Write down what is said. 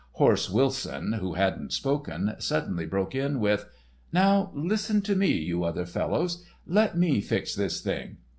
"Horse" Wilson, who hadn't spoken, suddenly broke in with: "Now, listen to me, you other fellows. Let me fix this thing.